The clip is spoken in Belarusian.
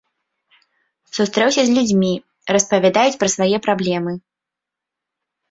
Сустрэўся з людзьмі, распавядаюць пра свае праблемы.